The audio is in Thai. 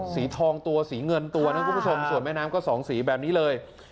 สีทองตัวสีเงินตัวนะคุณผู้ชมส่วนแม่น้ำก็สองสีแบบนี้เลย